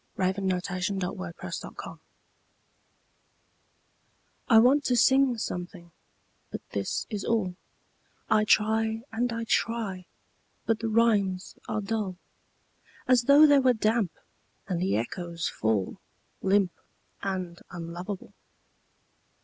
A SCRAWL I want to sing something but this is all I try and I try, but the rhymes are dull As though they were damp, and the echoes fall Limp and unlovable.